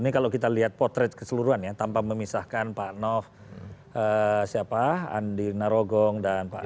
ini kalau kita lihat potret keseluruhan ya tanpa memisahkan pak nof siapa andi narogong dan pak